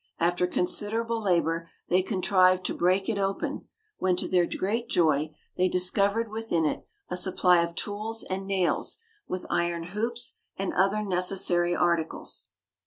After considerable labour they contrived to break it open, when to their great joy they discovered within it a supply of tools and nails, with iron hoops and other necessary articles.